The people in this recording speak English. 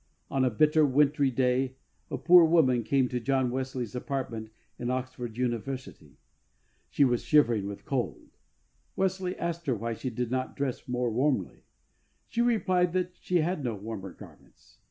On a bitter wintry day a poor woman came to John Wesley^s apartment in Oxford University. She was shivering with cold. Wesley asked her why she did not dress more warmly. She replied that she had no warmer garments.